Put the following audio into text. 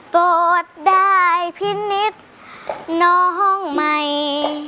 โกรธได้พินิษฐ์น้องใหม่